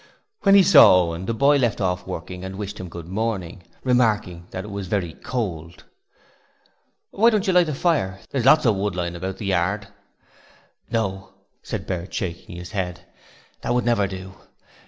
When he saw Owen, the boy left off working and wished him good morning, remarking that it was very cold. 'Why don't you light a fire? There's lots of wood lying about the yard.' 'No,' said Bert shaking his head. 'That would never do!